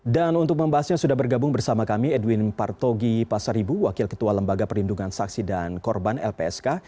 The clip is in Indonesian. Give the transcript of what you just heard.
dan untuk membahasnya sudah bergabung bersama kami edwin partogi pasaribu wakil ketua lembaga perlindungan saksi dan korban lpsk